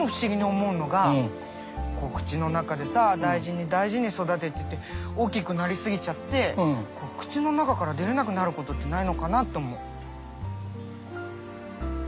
口の中でさ大事に大事に育ててて大きくなりすぎちゃって口の中から出れなくなることってないのかなって思う。